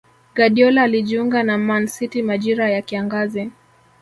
Guardiola alijiunga na Man City majira ya kiangazi